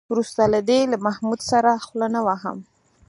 وروسته له دې له محمود سره خوله نه وهم.